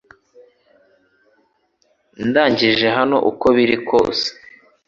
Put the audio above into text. Ndangije hano uko biri kose